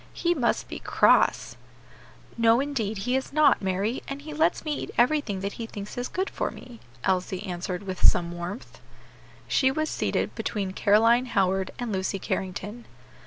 "He must be cross." "No, indeed, he is not, Mary, and he lets me eat everything that he thinks is good for me," Elsie answered with some warmth. She was seated between Caroline Howard and Lucy Carrington.